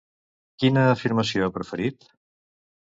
Quina afirmació ha proferit?